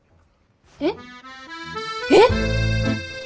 えっ？えっ？